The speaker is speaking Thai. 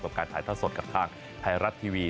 กับการถ่ายตั้งสดกับทางภัยรัชทีวี